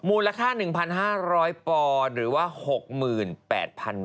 มูลค่า๑๕๐๐ปอนด์หรือว่า๖๘๐๐๐บาท